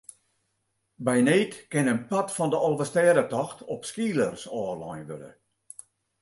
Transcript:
By need kin in part fan de Alvestêdetocht op skeelers ôflein wurde.